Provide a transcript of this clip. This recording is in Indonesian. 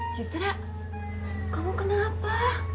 jutra kamu kenapa